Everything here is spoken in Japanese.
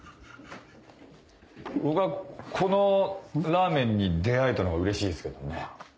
僕はこのラーメンに出合えたのがうれしいですけどね。